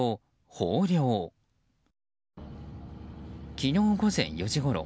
昨日午前４時ごろ。